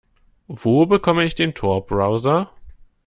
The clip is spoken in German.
Wo bekomme ich den Tor-Browser?